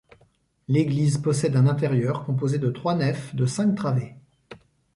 L'église possède un intérieur composé de trois nefs de cinq travées.